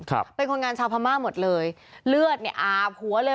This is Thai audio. เป็นคนงานชาวพม่าหมดเลยเลือดเนี้ยอาบหัวเลย